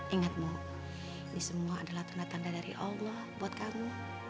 ingatmu ini semua adalah tanda tanda dari allah buat kamu